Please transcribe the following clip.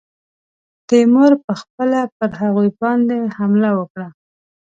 تیمور پخپله پر هغوی باندي حمله وکړه.